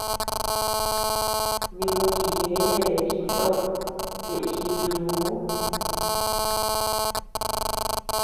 Dimoo gíyeye jinoo ñeʼe jíyuu.